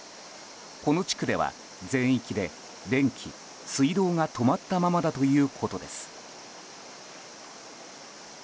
この地区では全域で電気、水道が止まったままだということです。